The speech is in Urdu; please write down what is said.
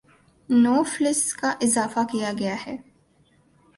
نو فلس کا اضافہ کیا گیا ہے